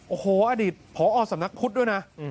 โอ้โหอดีตผอสำนักพุทธด้วยนะ